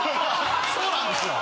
そうなんですよ。